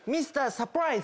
サプライズ？